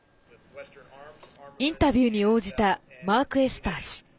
インタビューに応じたマーク・エスパー氏。